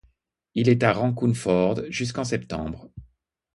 Il est à Raccoon Ford jusqu'en septembre.